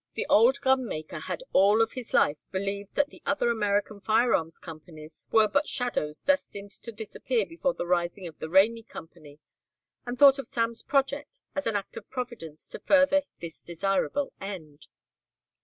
The old gunmaker had all of his life believed that the other American firearms companies were but shadows destined to disappear before the rising sun of the Rainey Company, and thought of Sam's project as an act of providence to further this desirable end.